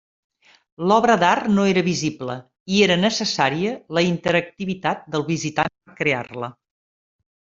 L'obra d'art no era visible, i era necessària la interactivitat del visitant per crear-la.